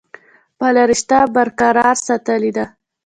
خپله رشته برقرار ساتلي ده ۔